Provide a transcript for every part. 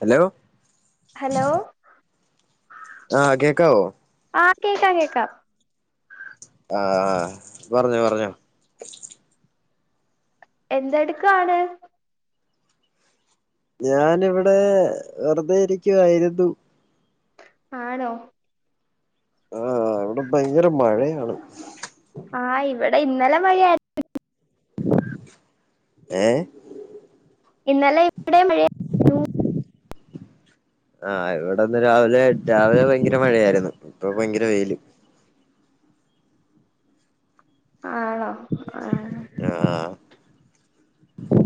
Hello hello ആഹ് കേക്കാവോ? ആഹ് കേക്കാം കേക്കാം ആ ആ പറഞ്ഞോ പറഞ്ഞോ എന്തെടുക്കാണ്? ഞാനിവിടെ വെറുതെ ഇരിക്കുവായിരുന്നു ആണോ? ആഹ് ഇവിടെ ഭയങ്കര മഴയാണ് ആഹ് ഇവിടെ ഇന്നലെ മഴയായി ഏ ഇന്നലെ ഇവിടെ മഴ ആഹ് ഇവിടെന്ന് രാവിലെ രാവിലെ ഭയങ്കര മഴയായിരുന്നു ഇപ്പൊ ഭയങ്കര വെയില് ആണോ? ആ ആഹ് ആ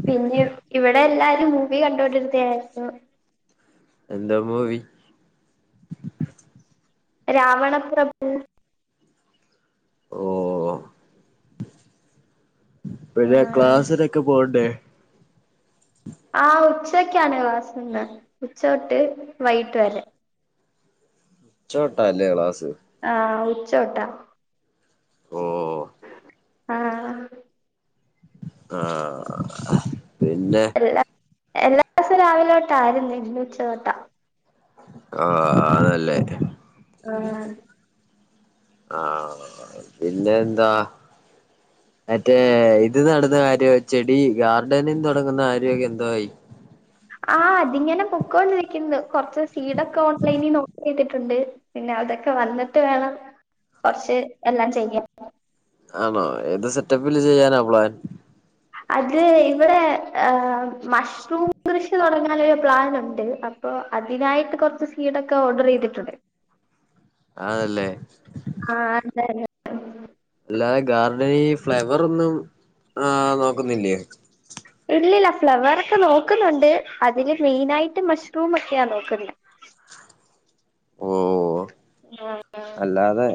പിന്നെ ഇവിടെ എല്ലാരും മൂവി കണ്ടോണ്ടിരിക്കയായിരുന്നു എന്തോ മൂവി? രാവണപ്രഭു ഓഹ് ആ പിന്നെ ക്ലാസിനൊക്കെ പോവണ്ടേ ആഹ് ഉച്ചെയ്ക്കാണ് ക്ലാസ്സ്‌ള്ളെ ഉച്ചതൊട്ട് വൈകിട്ട് വെരെ ഉച്ച തൊട്ടാ അല്ലെയോ ക്ലാസ്സ്‌? ആഹ് ഉച്ച തൊട്ടാ ഓഹ് ആഹ് ആഹ് പിന്നെ എല്ലാ എല്ലാ ദിസം രാവിലെ തൊട്ടായിര്ന്നേ ഇന്ന് ഉച്ച തൊട്ടാ ആഹ് അതേല്ലേ ആഹ് ആഹ് പിന്നെ എന്താ മറ്റേ ഇത് നടന്ന കാര്യാേ ചെടി ഗാർഡനിൻ താെടെങ്ങുന്ന കാര്യാെക്കെ എന്തായി? ആഹ് അതി ഇങ്ങെനെ പൊക്കൊണ്ടിരിക്ക്ന്ന് കൊർച്ച് സീഡൊക്കെ ഓൺലൈനി നോക്ക്യ്തി ട്ട്ണ്ട് പിന്നെ അതൊക്കെ വന്നിട്ട് വേണം കൊർച്ച് എല്ലാം ചെയ്യാൻ ആണോ ഏത് സെറ്റെപ്പില് ചെയ്യാനാ പ്ലാൻ? അത് ഇവിടെ ഏഹ് മഷ്‌റൂം കൃഷി തൊടെങ്ങാനൊരു പ്ലാനുണ്ട് അ പ്പോ അതിനായിട്ട് കാെർച്ച് സീഡൊക്കെ ഓഡെറെയ്തിട്ടുണ്ട് ആന്നല്ലേ ആഹ് അതെന്നെ അല്ലാതെ ഗാർഡനി ഈ ഫ്ലവെറൊന്നും ആഹ് നോക്കുന്നില്ല്യോ? ഇല്ലില്ലാ ഫ്ലവെറെക്കെ നോക്ക്ന്നുണ്ട് അതില് മെയ്നായ്ട്ട് മഷ്റൂം ഒക്കെയാ നോക്ക്ന്നത് ഓ ആഹ് അല്ലാതെ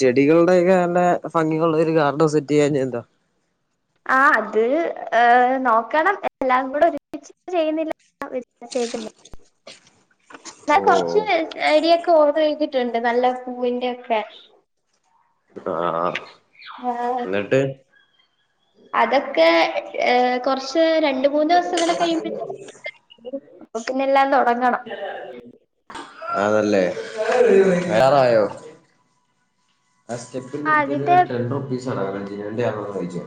ചെടികൾടെ എക്കെ തന്നെ ഫംങ്കികളുള്ള ഒര് ഗാർഡൻ സെറ്റെയ്യാഞ്ഞെ എന്താ? ആഹ് അത് ഏഹ് നോക്കണം എല്ലാം കൂടെ ഒരുമിച്ച് ചെയ്യ്ന്നില്ലാ [unintelligible] ക്ക്ന്നേ ഞാൻ ഓ കൊർച്ച് ചെടിയൊക്കെ ഓഡ്റെയ്തിട്ട്ണ്ട് നല്ല പൂവിന്റെയൊക്കെ ആഹ് ആഹ് ന്നിട്ട് അതൊക്കെ ഏഹ് കൊർച്ച് രണ്ട് മൂന്നൂസുങ്ങെനെ കഴിയ്മ്പെഴ്ത്തേന് അപ്പൊ പിന്നെ എല്ലാം തൊ ആന്നല്ലേ വെരാറായോ ആഹ് സ്റ്റെപ്പിന്റെ ആഹ് അട്ത്തൊരു അതിന്റെ ടെൺ റുപ്പീസാണ് ക [unintelligible] നിന്റെ യാണോന്നായ്ച്ചേ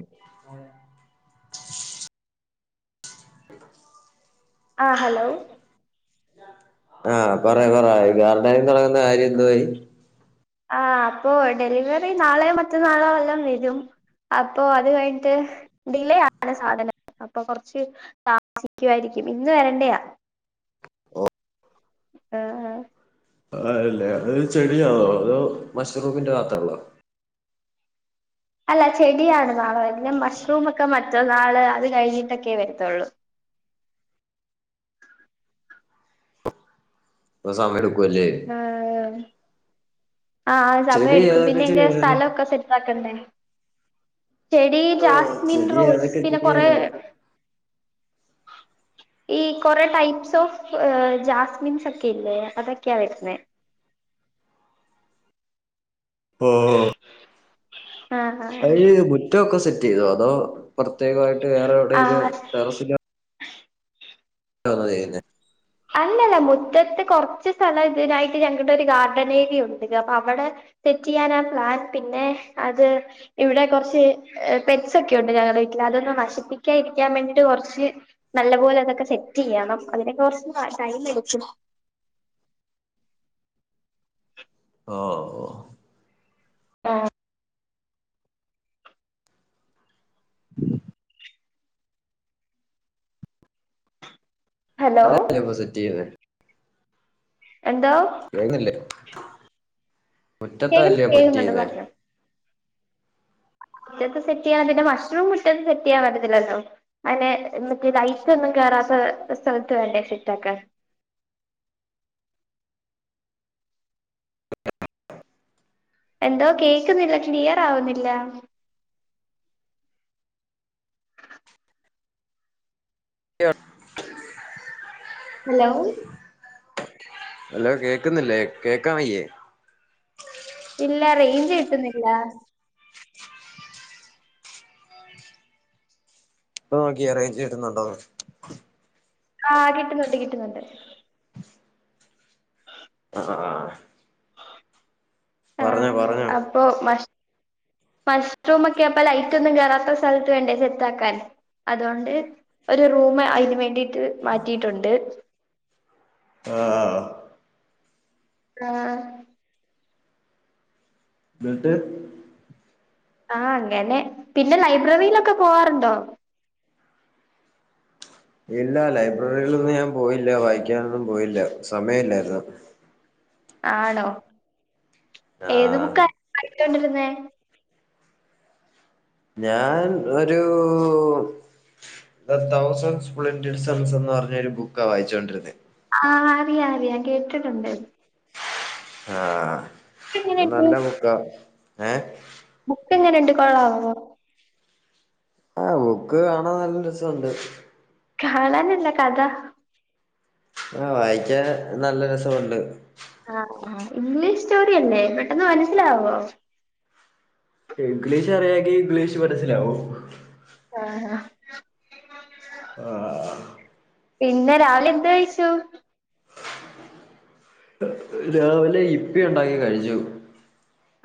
ആഹ് ഹലോ ആഹ് പറയാ പറ ഗാർഡൈൻ താെടെങ്ങുന്ന കാര്യം എന്തുവായി ആഹ് അപ്പോ ഡെലിവെറി നാളെയോ മറ്റന്നാളോ വല്ലോം വെരും അപ്പോ അത് കയ്ൻട്ട് ഡിലേ ആണ് സാധനം അപ്പൊ കൊർച്ച് താമസിക്കുവായിരിക്കും ഇന്ന് വെരെണ്ടെയാ ആഹ് ആഹ് ആഹ് അല്ലേ അതൊര് ചെടിയാന്നോ അതോ മഷ്റൂമിന്റെ മാത്രെള്ളോ അല്ല ചെടിയാണ് നാളെ വര്ണെ മഷ്റൂമാെക്കെ മറ്റന്നാള് അത് കഴിഞ്ഞിട്ടെക്കെ വര്ത്താെള്ളൂ പ്പം [unintelligible] സമയെടുക്കുവേം ചെയ്യും ആഹ് ആഹ് ആഹ് ചെടി സമെയെട്ക്കും ഏതൊക്കെ പിന്നെ അയ്ന്റെ ചെടിയാണ് സ്ഥലാെക്കെ സെറ്റാക്കണ്ടേ ഓഹ് ചെടി റോസ് അതൊക്കെ പിന്നെ കൊറെ ചെടിയല്ലേ ഈ കാെറേ ടൈപ്സ് ഓഫ് ജാസ്മിൻസൊക്കെ ഇല്ലേ അതൊക്ക്യാ വര്ന്നേ ഓഹ് ഓഹ് ആഹ് അതീ ആഹ് മുറ്റം ഒക്കെ സെറ്റെയ്തോ അതോ പ്രത്യേകമായിട്ട് വേറെ എവിടേലും ആഹ് ടെറസിലാെ തന്നതാ ചെയ്യ്ന്നെ അല്ല അല്ല മുറ്റത്ത് കാെർച്ച് സ്ഥലണ്ട് ഇത്‌നായിട്ട് [unintelligible] ഗാർഡനേരിയയുണ്ട് അപ്പൊ അവടെ സെറ്റെയ്യെനാ പ്ലാൻ പിന്നെ അത് ഇവിടെ കാെർച്ച് പെറ്റ്സാെക്കെ ഉണ്ട് ഞങ്ങെടെ വീട്ടില് അതൊന്നും നശിപ്പിക്ക്യാ ഇരിക്ക്യാം വേണ്ടിട്ട് കൊർച്ച് നല്ല പോലെ അതൊക്കെ സെറ്റ് ചെയ്യണം അതിനോക്കെ കുറച്ച് ടൈം എടുക്കും ഓ ഓ ആ ഉ ഹലോ വേ സേറ്റ്യ്തേ എന്തോ ുന്നില്ലേ കേക്കുന്നു മുറ്റത്തല്ലയോ പറ്റ കേക്കുന്നുണ്ട് ചെയന്നേ പറഞ്ഞോ മുറ്റത്ത് സെറ്റ് ചെയ്യാൻ പിന്നെ മഷ്റൂം മുറ്റത്ത് സെറ്റ് ചെയ്യാൻ പറ്റത്തില്ലല്ലോ അയ്നെ മറ്റേ ലൈറ്റ് ഒന്നും കേറാത്ത സ്ഥലത്ത് വേണ്ടേ സേറ്റ് ആക്കാൻ എന്തോ കേക്കുന്നില്ല ക്ലിയർ ആവുന്നില്ല ട്ട [unintelligible] ഹലോ ഹലോ കേക്കുന്നില്ലേ കേക്കാൻ വയ്യേ ഇല്ല റേഞ്ച് കിട്ടുന്നില്ല ഇപ്പോ നോക്കിയേ റേഞ്ച് കിട്ടുന്നുണ്ടോന്ന് ആഹ് കിട്ടുന്നുണ്ട് കിട്ടുന്നുണ്ട് ആ ആ പറഞ്ഞോ പറഞ്ഞോ അപ്പൊ മഷ മഷ്റൂം ഒക്കെപ്പ ലൈറ്റ് ഒന്നും കേയറാത്ത സ്ഥലത്ത് വേണ്ടേ സെത്താക്കാൻ അതോണ്ട് ഒരു റൂമ് അതിന് വേണ്ടിട്ട് മാറ്റിയിട്ടുണ്ട് ആ ആഹ ന്നട്ട് ആഹ അങ്ങനെ പിന്നെ ലൈബ്രറിയിലൊക്കെ പോവാറുണ്ടോ ഇല്ല ലൈബ്രറിയിലൊന്നും ഞാൻ പോയില്ല വായിക്കാൻന്നും പോയില്ല സമയല്ലായിര്ന്നു. ആണോ ഏത് ആഹ് ബുക്കായി വായിച്ചോണ്ടിരുന്നേ ഞാൻ ഒരു തന്തൗസൻ സ്പ്ലിൻഡഡ് സൺസ് എന്ന് പറഞ്ഞൊരു ബുക്കാ വായിച്ചോണ്ടിരുന്നത് ആഹ് അറിയാ അറിയാ കേട്ടിട്ടുണ്ട് ആഹ് ഹ് എങ്ങനെയുണ്ട് നല്ല ബൂക്കാ ഏഹ് ബുക്ക് എങ്ങനെ ഉണ്ട് കൊള്ളാവോ? ആഹ് ബുക്ക് കാണാൻ നല്ല രസമുണ്ട് കാണാനല്ല കഥ ആഹ് വായിക്കാൻ നല്ല രസമുണ്ട് ആഹ് ആഹ് ഇംഗ്ലീഷ് സ്റ്റോറിയല്ലേ പെട്ടെന്ന് മനസ്സിലാവോ ഇംഗ്ലീഷ് അറിയാങ്കി ഇംഗ്ലീഷ് മനസ്സിലാവും ആഹ് ഹ്ഹ് [inaudible] ആഹ് പിന്നെ രാവിലെ എന്ത് കഴിച്ചു രാവിലെ യിപ്പി ഉണ്ടാക്കി കഴിച്ചു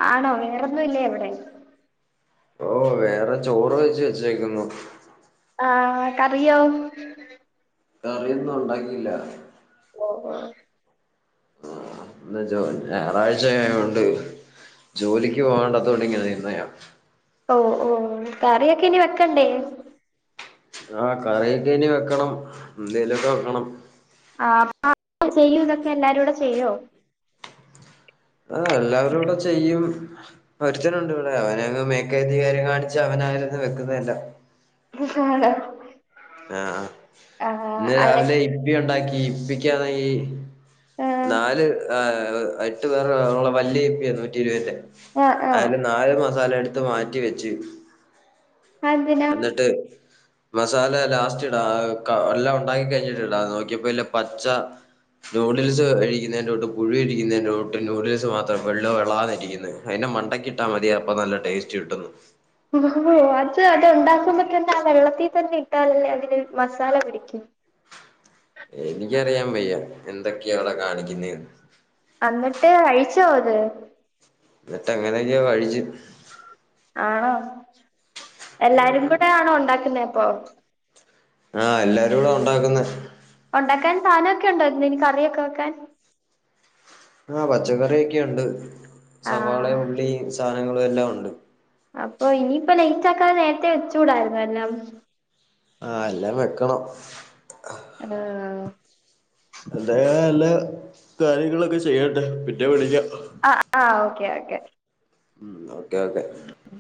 ആണോ വേറൊന്നുല്ലേ അവിടെ? ഓ വേറെ ചോറ് വെച്ച് വെച്ചെക്കുന്നു ആഹ് കറിയോ കറിയൊന്നും ഉണ്ടാക്കിയില്ല ഓ ഓ ഇന്ന് ഞായറാഴ്ച ആയോണ്ട് ജോലിക്ക് പോകണ്ടാത്തോ ണ്ടിങ്ങനെ നിന്ന് ഞ്ഞാ ഓ ഓ കറിയൊക്കെ ഇനി വെക്കണ്ടേ? ആഹ് കറിയൊക്കെ ഇനി വെക്കണം എന്തേലുമൊക്കെ വെക്കണം ആ അ ചെയ്യും ഇതൊക്കെ എല്ലാരും കൂടെ ചെയ്യുവോ ആഹ് എല്ലാവരൂടെ ചെയ്യും ഒരുത്തനുണ്ടിവിടെ അവനെ അങ്ങ് മേക്കധികാരം കാണിച്ച് അവനായിരിന്നു വെക്കുന്നതെല്ലാം ആ ആണോ? ആ ഇന്ന് ആഹ് രാവിലെ യിപ്പി ഒണ്ടാക്കി യിപ്പിക്കാണെങ്കി ആഹ് നാല് ആ എട്ട് പേർക്കുള്ള വലിയ യിപ്പിയാ നൂറ്റി ഇരുപതിൻ്റെ ആഹ് ആഹ് അയില് നാല് മസാല എടുത്ത് മാറ്റി വെച്ചു അതെന്തിനാ എന്നിട്ട് മസാല ലാസ്റ്റ് ഇടാ വെക്ക എല്ലാം ഒണ്ടാക്കി കഴിഞ്ഞിട്ടിടാ നോക്കിയപ്പോ എല്ല പച്ച നൂഡിൽസ് കഴിക്കുന്നതിൻ്റെ കൂട്ട് പുഴു ഇരിക്കുന്നതിന്റെ കൂട്ട് നൂഡിൽസ് മാത്രം വെളു വെളാന്നിരിക്കുന്നു അയിൻ്റെ മണ്ടക്കിട്ടാൽ മതി അപ്പൊ നല്ല ടേസ്റ്റ് കിട്ടുന്ന് അത് അത് ഉണ്ടാക്കുമ്പോത്തന്നെ അത് വെള്ളത്തിൽ തന്നെ ഇട്ടാലല്ലേ അതിന് മസാല പിടിക്കൂ എനിക്കറിയാൻ വയ്യ എന്തൊക്കെയവിടെ കാണിക്കുന്നേന്ന് അന്നിട്ട് കഴിച്ചോ അത് ന്നിട്ടെങ്ങനൊക്കെയോ കഴിച്ചു ആണോ എല്ലാരും ഉം കൂടെ ആണോ ഒണ്ടാക്കുന്നെപ്പോ ആ എല്ലാരൂടെ ഒണ്ടാക്കുന്നെ ഒണ്ടാക്കാൻ സാധനൊക്കെ ഒണ്ടോ എന്തേലും കറിയൊക്കെ വെക്കാൻ ആ പച്ചക്കറിയൊക്കെയുണ്ട് ആ സവാള ഉള്ളി സാധനങ്ങളു എല്ലാം ഒണ്ട് അപ്പൊ ഇനിയിപ്പോ ലേറ്റ് ആക്കാതെ നേരത്തെ വെച്ചൂടായിരുന്നോ എല്ലാം ആ എല്ലാം വെക്കണം ഹലോ അല്ല വല്ല കാര്യങ്ങളൊക്കെ ചെയ്യട്ടെ പിന്നെ വിളിക്കാം അ ആഓക്കെ ഓക്കെ ഉം ഓക്കേ ഓക്കേ ഉം